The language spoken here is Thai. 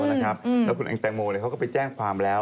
แล้วคุณแองแตงโมเขาก็ไปแจ้งความแล้ว